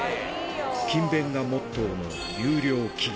勤勉がモットーの優良企業。